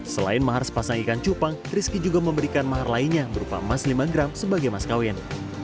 selain mahar sepasang ikan cupang rizky juga memberikan mahar lainnya berupa emas lima gram sebagai maskawin